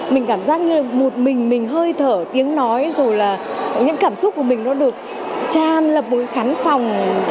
mình cảm giác như một mình mình hơi thở tiếng nói rồi là những cảm xúc của mình nó được tràn lập một khán phòng